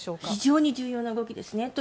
非常に重要な動きですね。